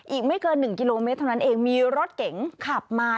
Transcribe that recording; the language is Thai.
อีกไม่เกิน๑กิโลเมตรเท่านั้นเองมีรถเก๋งขับมา